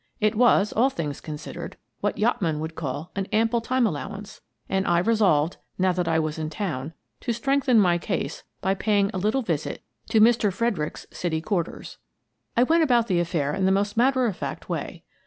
It was, all things considered, what yachtmen would call an ample time allowance, and I resolved, now that I was in town, to strengthen my case by paying a little visit to Mr. Fredericks's city quarters. I went about the affair in the most matter of fact way.